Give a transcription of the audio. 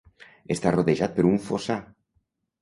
Està rodejat per un fossar.